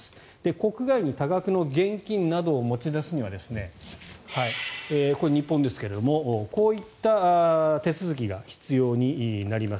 国外に多額の現金などを持ち出すにはこれ、日本ですがこういった手続きが必要になります。